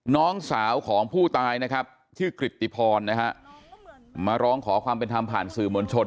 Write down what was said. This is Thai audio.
น้องสาวของผู้ตายนะครับชื่อกริตติพรนะฮะมาร้องขอความเป็นธรรมผ่านสื่อมวลชน